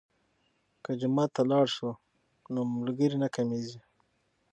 که جومات ته لاړ شو نو ملګري نه کمیږي.